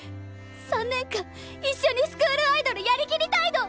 ３年間一緒にスクールアイドルやりきりたいの！